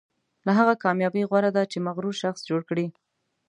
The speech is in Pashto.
له هغه کامیابۍ غوره ده چې مغرور شخص جوړ کړي.